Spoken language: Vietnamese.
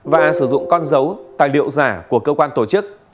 và sử dụng con dấu tài liệu giả của cơ quan tổ chức